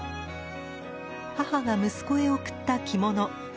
母が息子へ贈った着物。